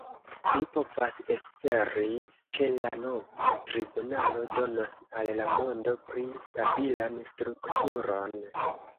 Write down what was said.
Ni povas esperi, ke la nova tribunalo donos al la mondo pli stabilan strukturon.